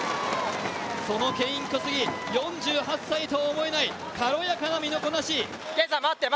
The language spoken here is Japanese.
そのケイン・コスギ、４８歳とは思えない軽やかな身のこなし。